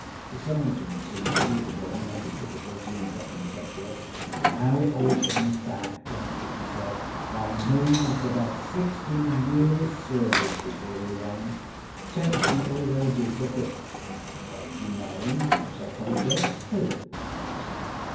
The Sergeant seemed to be one who had a difficulty in dropping subjects. âHow it all comes back, donât it?â he said. âWhy Moon must âave âad sixteen yearsâ service before he ran.â âIt takes âem at all ages. Look atâyou know,â said Pyecroft. âWho?â I asked.